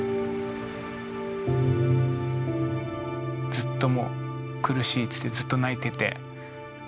ずっともう苦しいって言ってずっと泣いてて。